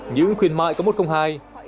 những khuyến mại có một công hai